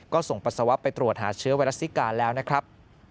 ก็ส่งปัสสาวะไปตรวจหาเชื้อไวรัสซิกาแล้วนะครับ